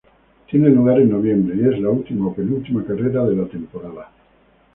Tiene lugar en noviembre y es la última o penúltima carrera de la temporada.